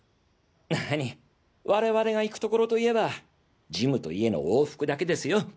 なに我々が行くところといえばジムと家の往復だけですよ。